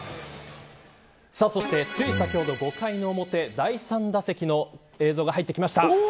そしてつい先ほど５回の表、第３打席の映像が入ってきました。